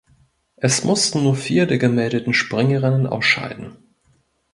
Es mussten nur vier der gemeldeten Springerinnen ausscheiden.